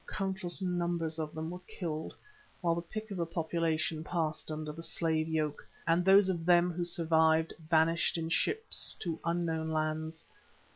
Countless numbers of them were killed, while the pick of the population passed under the slave yoke, and those of them who survived, vanished in ships to unknown lands.